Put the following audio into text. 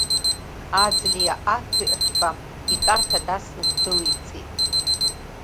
Аӡлиа Аҭырқьба итәарта дасны ддәылицеит!